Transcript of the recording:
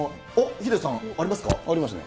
ヒデさん。ありますね。